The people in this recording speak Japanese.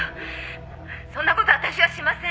そんなこと私はしません。